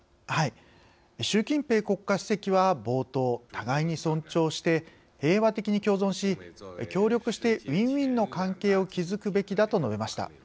習近平国家主席は冒頭「互いに尊重して平和的に共存し協力してウィンウィンの関係を築くべきだ」と述べました。